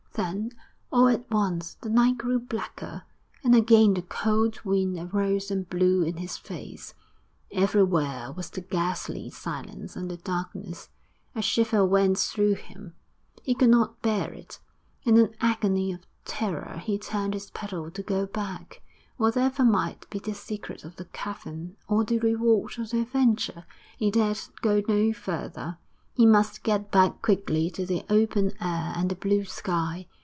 Then, all at once, the night grew blacker, and again the cold wind arose and blew in his face; everywhere was the ghastly silence and the darkness. A shiver went through him; he could not bear it; in an agony of terror he turned his paddle to go back. Whatever might be the secret of the cavern or the reward of the adventure, he dared go no further. He must get back quickly to the open air and the blue sky.